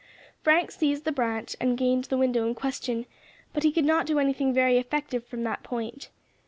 Frank seized the branch and gained the window in question, but could not do anything very effective from that point.